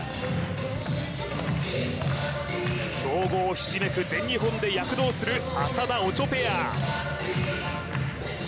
強豪ひしめく全日本で躍動する浅田・オチョペア